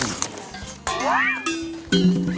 ส้อไม่เคยเล่น